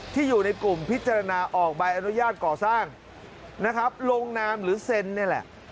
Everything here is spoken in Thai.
อยู่ในกลุ่มพิจารณาออกใบอนุญาตก่อสร้างนะครับลงนามหรือเซ็นนี่แหละ